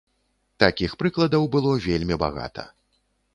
Такіх прыкладаў было вельмі багата.